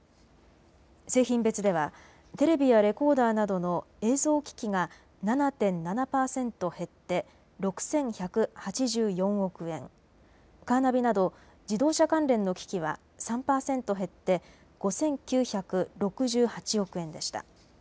製品別ではテレビやレコーダーなどの映像機器が７．７％減って６１８４億円、カーナビなど自動車関連の機器は３％減って５９６８億円でした。